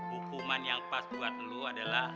hukuman yang pas buat lu adalah